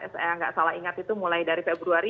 saya nggak salah ingat itu mulai dari februari